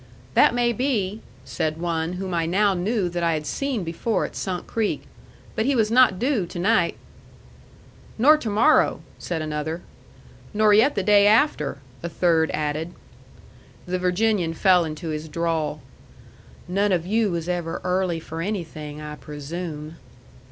"That may be," said one whom I now knew that I had seen before at Sunk Creek; "but he was not due to night." "Nor to morrow," said another. "Nor yet the day after," a third added. The Virginian fell into his drawl. "None of you was ever early for anything, I presume."